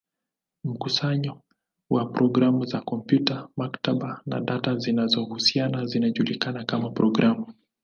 Mkusanyo wa programu za kompyuta, maktaba, na data zinazohusiana zinajulikana kama programu.